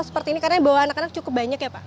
seperti ini karena bawa anak anak cukup banyak ya pak